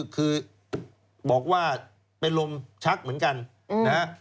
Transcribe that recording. คือบอกว่าเป็นลมชักเหมือนกันนะฮะ